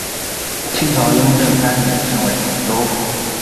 清朝雍正三年升为同州府。